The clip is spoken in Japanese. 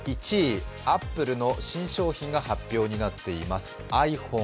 １位、アップルの新商品が発表になっています。